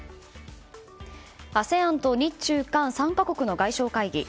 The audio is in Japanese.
ＡＳＥＡＮと日中韓３か国の外相会議。